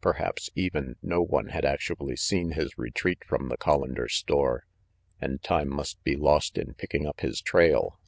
Perhaps even, no one had actually seen his retreat from the Col lander store, and time must be lost in picking up his trail.